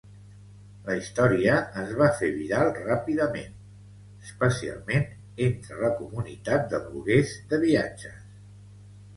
La història es va fer viral ràpidament, especialment entre la comunitat de bloguers de viatges.